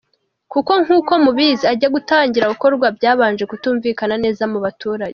Kuko nk’uko mubizi ajya gutangira gukorwa byabanje kutumvikana neza mu baturage.